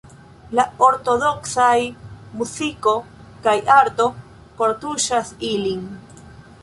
La ortodoksaj muziko kaj arto kortuŝas ilin.